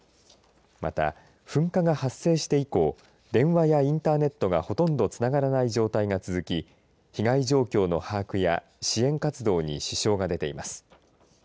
また、噴火が発生して以降電話やインターネットがほとんどつながらない状態が続き被害状況の把握や支援活動に支障が出ています。